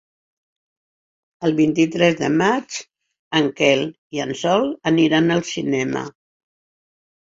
El vint-i-tres de maig en Quel i en Sol aniran al cinema.